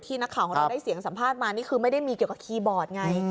นักข่าวของเราได้เสียงสัมภาษณ์มานี่คือไม่ได้มีเกี่ยวกับคีย์บอร์ดไง